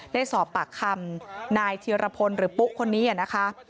ได้สอบปากคำนายธีรพลหรือปุ๊คนนี้นะคะ